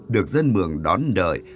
được dân mường đón đợi